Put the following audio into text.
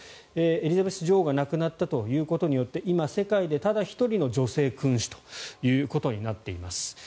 エリザベス女王が亡くなったということによって今、世界でただ１人の女性君主となっています。